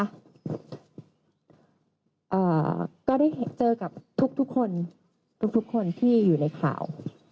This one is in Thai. ก็ได้เจอกับทุกทุกคนทุกทุกคนที่อยู่ในข่าว